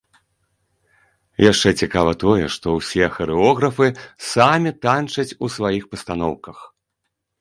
Яшчэ цікава тое, што ўсе харэографы самі танчаць у сваіх пастаноўках.